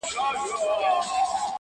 د دربار له دروېشانو سره څه دي؟-